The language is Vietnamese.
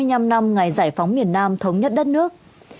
bảy mươi năm năm ngày giải phóng miền nam thống nhất đất nước